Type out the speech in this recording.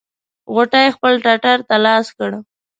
غوټۍ خپل ټټر ته لاس کړ.